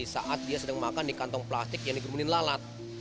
saat dia sedang makan di kantong plastik yang digerumunin lalat